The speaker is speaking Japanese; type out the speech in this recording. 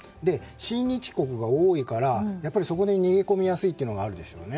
親日国が多いから逃げ込みやすいというのがあるでしょうね。